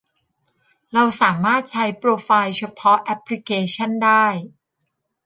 เราสามารถใช้โปรไฟล์เฉพาะแอปพลิเคชันได้